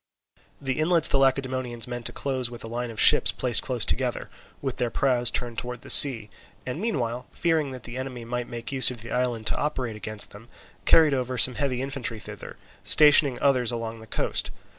The inlets the Lacedaemonians meant to close with a line of ships placed close together, with their prows turned towards the sea, and, meanwhile, fearing that the enemy might make use of the island to operate against them, carried over some heavy infantry thither, stationing others along the coast.